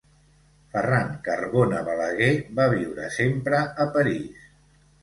Ferran Carbona Balaguer va viure sempre a París.